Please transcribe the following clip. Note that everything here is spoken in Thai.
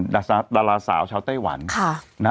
ดาราสาวชาวไต้หวัน